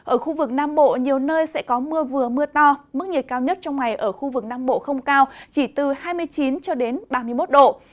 ở khu vực nam bộ nhiều nơi sẽ có mưa vừa mưa to mức nhiệt cao nhất trong ngày ở khu vực nam bộ không cao chỉ từ hai mươi chín cho đến ba mươi một độ